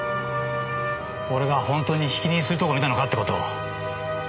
俺が本当にひき逃げするとこを見たのかって事を。